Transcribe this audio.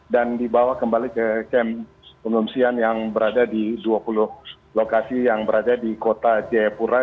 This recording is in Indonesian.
dan dibawa kembali ke kamp pengungsian yang berada di dua puluh lokasi yang berada di kota jayapura